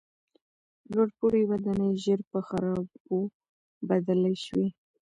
لوړپوړي ودانۍ ژر په خرابو بدلې شوې.